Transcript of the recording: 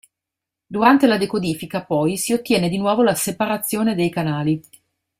Durante la decodifica poi si ottiene di nuovo la separazione dei canali.